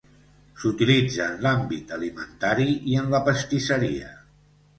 S'utilitza en l'àmbit alimentari i en la pastisseria.